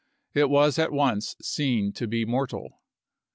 It was at once seen to be mortal.